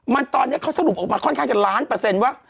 มันตอนนี้เขาสรุปออกมาค่อนข้างจะล้านเปอร์เซ็นต์ว่า